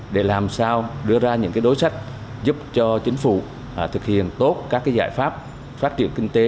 để làm sao đưa ra những đối sách giúp cho chính phủ thực hiện tốt các giải pháp phát triển kinh tế